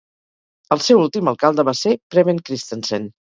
El seu últim alcalde va ser Preben Christensen.